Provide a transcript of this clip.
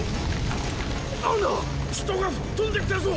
なんだ⁉人が吹っ飛んできたぞ！